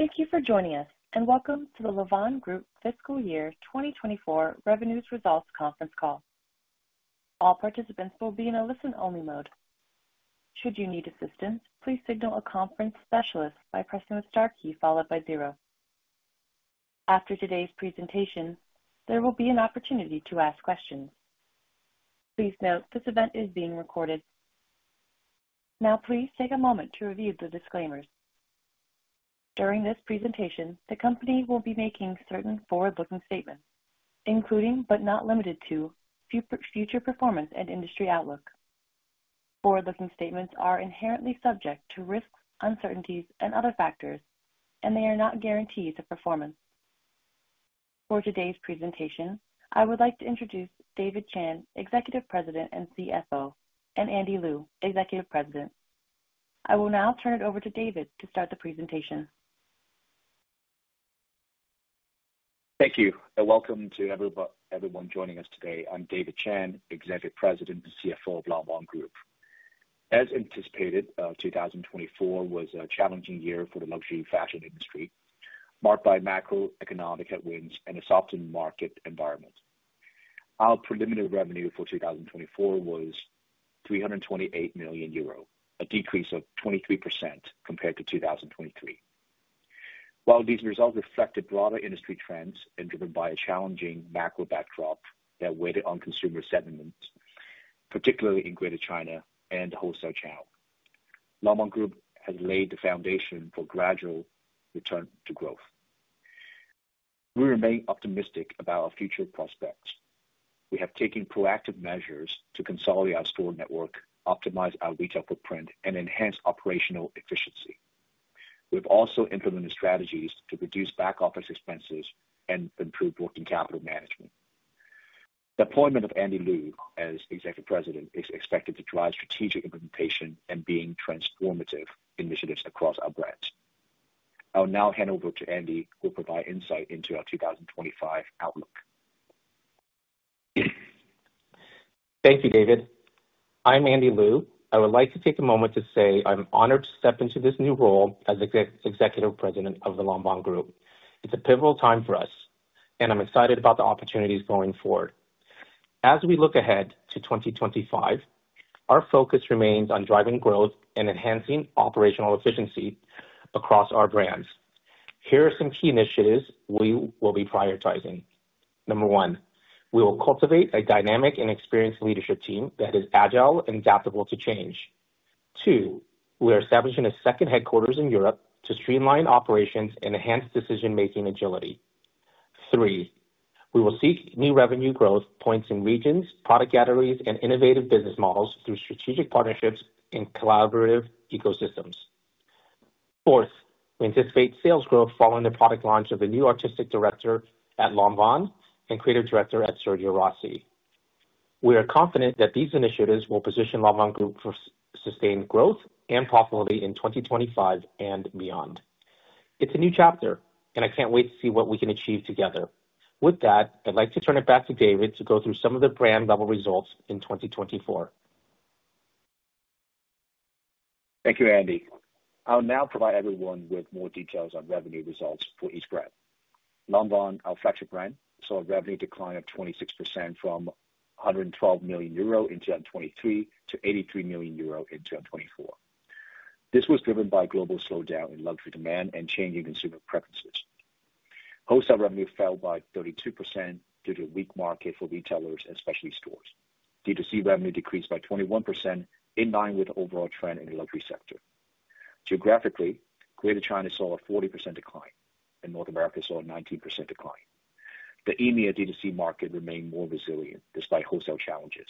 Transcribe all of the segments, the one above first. Thank you for joining us, and welcome to the Lanvin Group Fiscal Year 2024 Revenues Results Conference Call. All participants will be in a listen-only mode. Should you need assistance, please signal a conference specialist by pressing the star key followed by zero. After today's presentation, there will be an opportunity to ask questions. Please note this event is being recorded. Now, please take a moment to review the disclaimers. During this presentation, the company will be making certain forward-looking statements, including but not limited to future performance and industry outlook. Forward-looking statements are inherently subject to risks, uncertainties, and other factors, and they are not guarantees of performance. For today's presentation, I would like to introduce David Chan, Executive President and CFO, and Andy Lew, Executive President. I will now turn it over to David to start the presentation. Thank you, and welcome to everyone joining us today. I'm David Chan, Executive President and CFO of Lanvin Group. As anticipated, 2024 was a challenging year for the luxury fashion industry, marked by macroeconomic headwinds and a softened market environment. Our preliminary revenue for 2024 was 328 million euro, a decrease of 23% compared to 2023. While these results reflected broader industry trends and were driven by a challenging macro backdrop that weighed on consumer sentiments, particularly in Greater China and Hosan, Lanvin Group has laid the foundation for a gradual return to growth. We remain optimistic about our future prospects. We have taken proactive measures to consolidate our store network, optimize our retail footprint, and enhance operational efficiency. We have also implemented strategies to reduce back-office expenses and improve working capital management. The appointment of Andy Lew as Executive President is expected to drive strategic implementation and transformative initiatives across our brand. I will now hand over to Andy, who will provide insight into our 2025 outlook. Thank you, David. I'm Andy Lew. I would like to take a moment to say I'm honored to step into this new role as Executive President of the Lanvin Group. It's a pivotal time for us, and I'm excited about the opportunities going forward. As we look ahead to 2025, our focus remains on driving growth and enhancing operational efficiency across our brands. Here are some key initiatives we will be prioritizing. Number one, we will cultivate a dynamic and experienced leadership team that is agile and adaptable to change. Two, we are establishing a second headquarters in Europe to streamline operations and enhance decision-making agility. Three, we will seek new revenue growth points in regions, product galleries, and innovative business models through strategic partnerships in collaborative ecosystems. Fourth, we anticipate sales growth following the product launch of the new Artistic Director at Lanvin and Creative Director at Sergio Rossi. We are confident that these initiatives will position Lanvin Group for sustained growth and profitability in 2025 and beyond. It's a new chapter, and I can't wait to see what we can achieve together. With that, I'd like to turn it back to David to go through some of the brand-level results in 2024. Thank you, Andy. I'll now provide everyone with more details on revenue results for each brand. Lanvin is our flagship brand, saw a revenue decline of 26% from 112 million euro in 2023 to 83 million euro in 2024. This was driven by a global slowdown in luxury demand and changing consumer preferences. Hosan revenue fell by 32% due to a weak market for retailers and specialty stores. D2C revenue decreased by 21%, in line with the overall trend in the luxury sector. Geographically, Greater China saw a 40% decline, and North America saw a 19% decline. The EMEA D2C market remained more resilient despite wholesale challenges.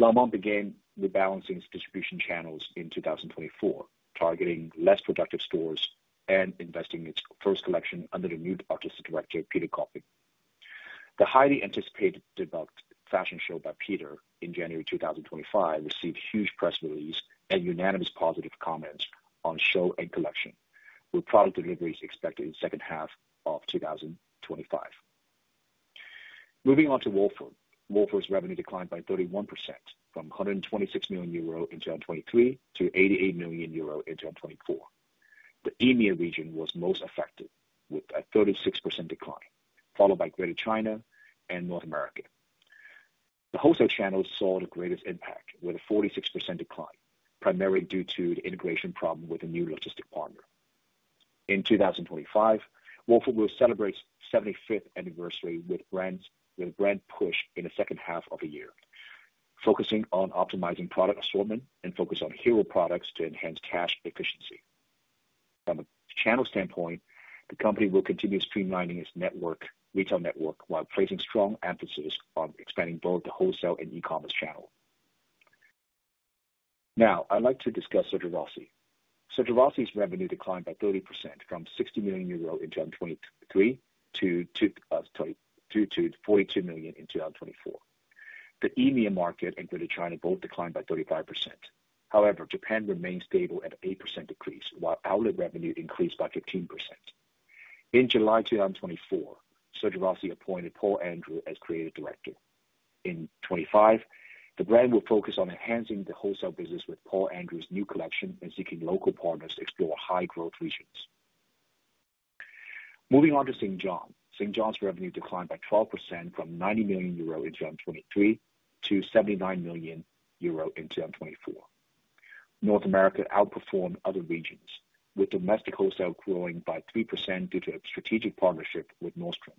Lanvin began rebalancing its distribution channels in 2024, targeting less productive stores and investing in its first collection under the new Artistic Director, Peter Copping. The highly anticipated debut fashion show by Peter in January 2025 received huge press releases and unanimous positive comments on the show and collection, with product deliveries expected in the second half of 2025. Moving on to Wolford, Wolford's revenue declined by 31% from 126 million euro in 2023 to 88 million euro in 2024. The EMEA region was most affected, with a 36% decline, followed by Greater China and North America. The wholesale channels saw the greatest impact, with a 46% decline, primarily due to the integration problem with a new logistic partner. In 2025, Wolford will celebrate its 75th anniversary with a brand push in the second half of the year, focusing on optimizing product assortment and focusing on hero products to enhance cash efficiency. From a channel standpoint, the company will continue streamlining its retail network while placing strong emphasis on expanding both the wholesale and e-commerce channels. Now, I'd like to discuss Sergio Rossi. Sergio Rossi's revenue declined by 30% from 60 million euro in 2023 to 42 million in 2024. The EMEA market and Greater China both declined by 35%. However, Japan remained stable at an 8% decrease, while outlet revenue increased by 15%. In July 2024, Sergio Rossi appointed Paul Andrew as Creative Director. In 2025, the brand will focus on enhancing the wholesale business with Paul Andrew's new collection and seeking local partners to explore high-growth regions. Moving on to St. John, St. Johns' revenue declined by 12% from 90 million euro in 2023 to 79 million euro in 2024. North America outperformed other regions, with domestic wholesale growing by 3% due to a strategic partnership with Nordstrom.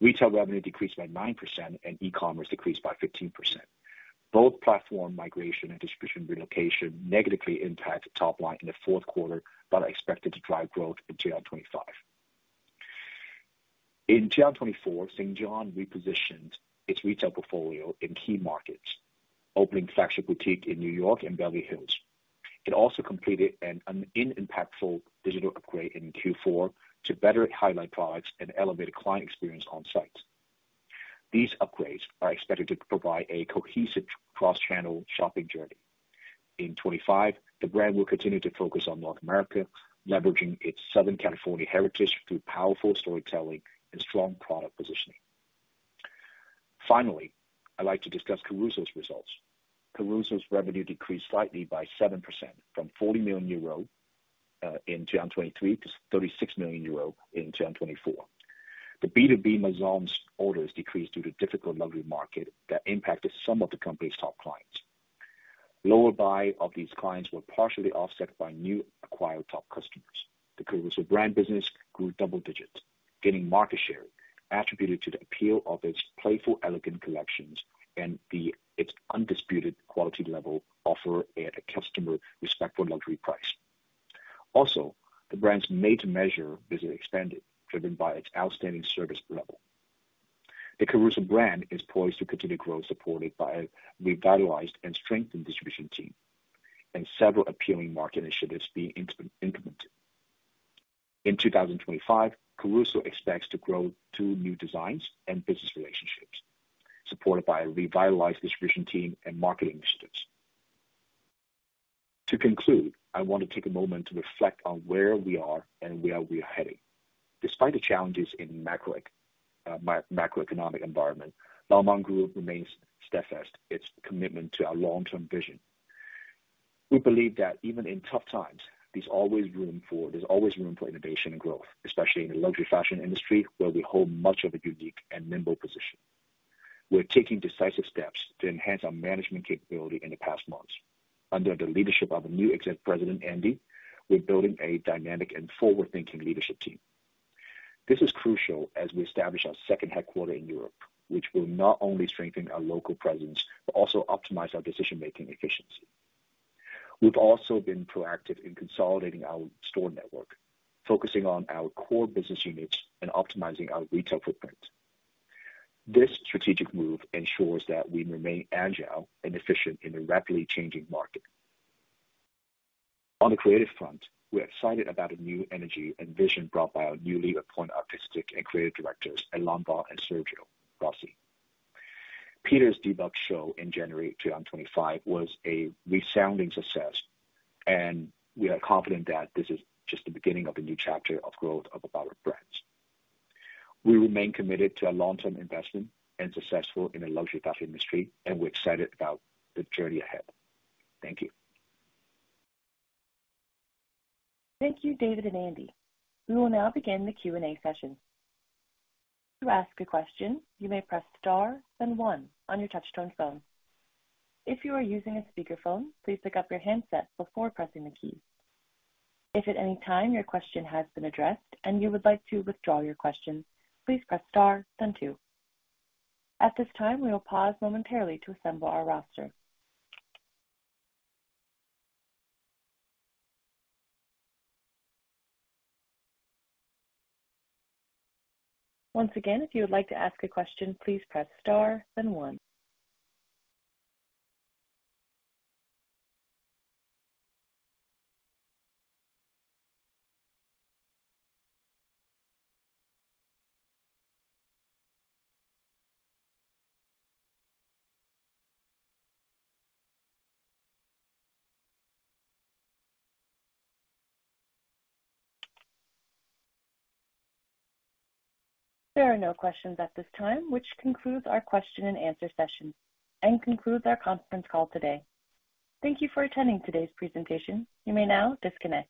Retail revenue decreased by 9%, and e-commerce decreased by 15%. Both platform migration and distribution relocation negatively impacted the top line in the Fourth Quarter but are expected to drive growth in 2025. In 2024, St. Johns' repositioned its retail portfolio in key markets, opening a flagship boutique in New York and Beverly Hills. It also completed an impactful digital upgrade in Q4 to better highlight products and elevate client experience on site. These upgrades are expected to provide a cohesive cross-channel shopping journey. In 2025, the brand will continue to focus on North America, leveraging its Southern California heritage through powerful storytelling and strong product positioning. Finally, I'd like to discuss Carusos' results. Carusos' revenue decreased slightly by 7% from 40 million euro in 2023 to 36 million euro in 2024. The B2B Maisons' orders decreased due to difficult luxury markets that impacted some of the company's top clients. Lower buy of these clients were partially offset by new acquired top customers. The Caruso brand business grew double-digit, gaining market share attributed to the appeal of its playful, elegant collections and its undisputed quality level offered at a customer-respectful luxury price. Also, the brand's made-to-measure is expanded, driven by its outstanding service level. The Caruso brand is poised to continue growth, supported by a revitalized and strengthened distribution team, and several appealing market initiatives being implemented. In 2025, Caruso expects to grow two new designs and business relationships, supported by a revitalized distribution team and market initiatives. To conclude, I want to take a moment to reflect on where we are and where we are heading. Despite the challenges in the macroeconomic environment, Lanvin Group remains steadfast in its commitment to our long-term vision. We believe that even in tough times, there's always room for innovation and growth, especially in the luxury fashion industry, where we hold much of a unique and nimble position. We're taking decisive steps to enhance our management capability in the past months. Under the leadership of the new Executive President, Andy Lew, we're building a dynamic and forward-thinking leadership team. This is crucial as we establish our second headquarters in Europe, which will not only strengthen our local presence but also optimize our decision-making efficiency. We've also been proactive in consolidating our store network, focusing on our core business units and optimizing our retail footprint. This strategic move ensures that we remain agile and efficient in a rapidly changing market. On the creative front, we are excited about the new energy and vision brought by our newly appointed Artistic and Creative Directors at Lanvin and Sergio Rossi. Peter's debunked show in January 2025 was a resounding success, and we are confident that this is just the beginning of a new chapter of growth of our brands. We remain committed to our long-term investment and successful in the luxury fashion industry, and we're excited about the journey ahead. Thank you. Thank you, David and Andy. We will now begin the Q&A session. To ask a question, you may press star then one on your touch-tone phone. If you are using a speakerphone, please pick up your handset before pressing the keys. If at any time your question has been addressed and you would like to withdraw your question, please press star then two. At this time, we will pause momentarily to assemble our roster. Once again, if you would like to ask a question, please press star then one. There are no questions at this time, which concludes our question-and-answer session and concludes our conference call today. Thank you for attending today's presentation. You may now disconnect.